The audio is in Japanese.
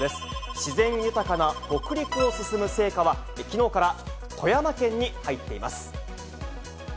自然豊かな北陸を進む聖火は、きのうから富山県に入っています。